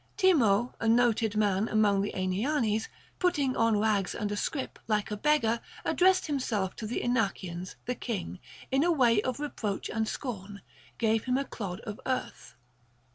Temo, a noted man among the Aenianes, putting on rags and a scrip, like a beggar, addressed himself to the Inachians ; the king, in a way of reproach and scorn, gave him a clod of earth.